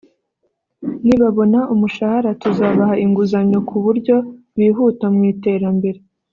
nibabona umushahara tuzabaha inguzanyo ku buryo bihuta mu iterambere